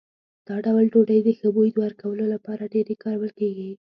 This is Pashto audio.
دا ډول ډوډۍ د ښه بوی ورکولو لپاره ډېرې کارول کېږي.